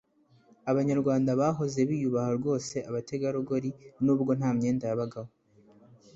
abanyarwanda bahoze biyubaha rwose abategarugori, nubwo nta myenda yabagaho